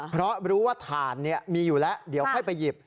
เพราะรู้ว่าถ่านมีอยู่แล้วเดี๋ยวค่อยไปหยิบ